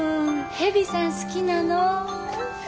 蛇さん好きなの？